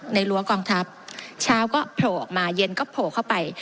รั้วกองทัพเช้าก็โผล่ออกมาเย็นก็โผล่เข้าไป